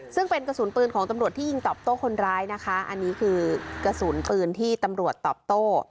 ซึ่งเป็นกระสุนปืนของตำรวจที่ยิงตอบโต้คนร้ายนะคะอันนี้คือกระสุนปืนที่ตำรวจตอบโต้